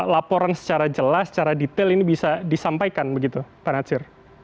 laporan secara jelas secara detail ini bisa diketahui